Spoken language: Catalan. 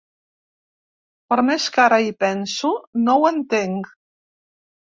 Per més que ara hi penso no ho entenc.